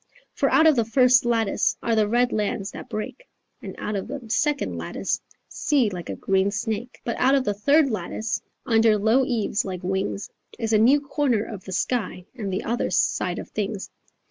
For out of the first lattice Are the red lands that break And out of the second lattice Sea like a green snake, But out of the third lattice Under low eaves like wings Is a new corner of the sky And the other side of things."